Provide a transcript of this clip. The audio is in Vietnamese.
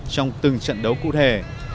trong từng trận đấu cụ thể